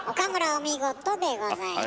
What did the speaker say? お見事でございました。